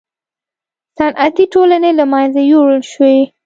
صنفي ټولنې له منځه یووړل شوې.